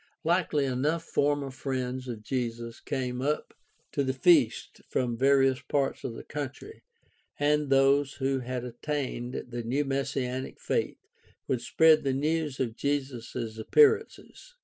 Likely enough former friends of Jesus came up to the feast from various parts of the country, and those who had attained the new messianic faith would spread the news of Jesus' appearances.